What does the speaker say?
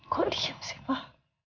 kok diem sih pak